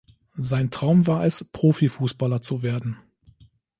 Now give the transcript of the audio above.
Sein Traum war es, Profifußballer zu werden.